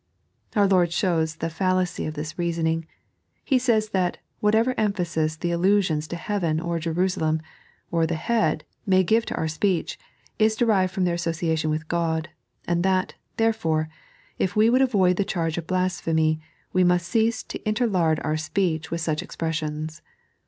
Our Lord shows the fallacy of this reasoning. He saj s that, whatever emphasis the allusions to Heaven, or Jerusalem, or the hea.i, may give to our speech, is derived from their association with God ; and that, therefore, if we would avoid the charge of blasphemy, we must cease to interlard our speech with such expressions.